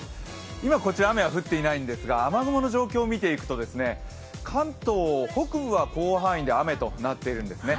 今こちら雨は降っていないんですが、雨雲の状況を見ていくと関東北部は広範囲で雨となっているんですね。